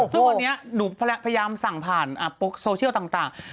ซึ่งวันนี้หนูพยายามสั่งผ่านโซเชียลต่าง